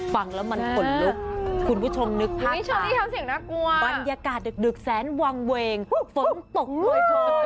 ฟังแล้วมันผลลุกมีชมนี้ทำเสียงนักกลัวบรรยากาศดึงแซนวังเวงฟ้นตกเลยโดย